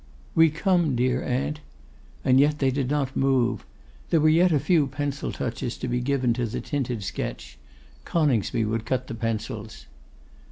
'We come, dear aunt.' And yet they did not move. There were yet a few pencil touches to be given to the tinted sketch; Coningsby would cut the pencils.